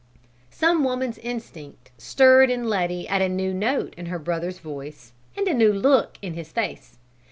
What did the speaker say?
Some woman's instinct stirred in Letty at a new note in her brother's voice and a new look in his face.